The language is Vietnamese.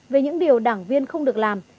về những điều đảng viên không được làm